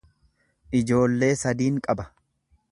Ijoollee sadiin qaba.